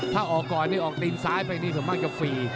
ถ้าออกก่อนออกตีนซ้ายไปนี่แบบจะมีฟี